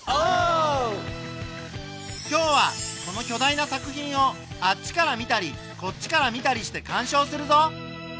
今日はこのきょだいな作品をあっちからみたりこっちからみたりしてかんしょうするぞ。